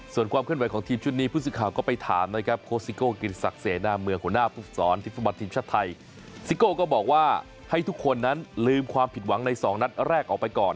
ส่วนความเข้าใจของทีมชุดนี้